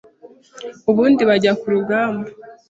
ubundi bajya ku rugamba.